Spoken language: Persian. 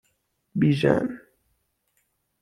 بیژن